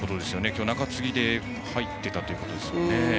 今日は中継ぎで入っていたということですかね。